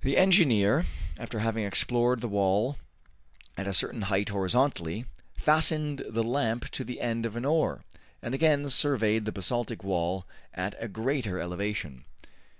The engineer, after having explored the wall at a certain height horizontally, fastened the lamp to the end of an oar, and again surveyed the basaltic wall at a greater elevation.